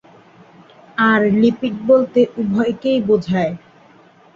আর lipid বলতে উভয়কেই বোঝায়।